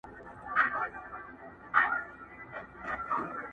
له سرو خولیو لاندي اوس سرونو سور واخیست،